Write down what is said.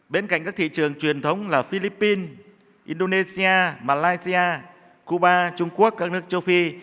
bên cạnh các thị trường truyền thống là philippines indonesia malaysia cuba trung quốc các nước châu phi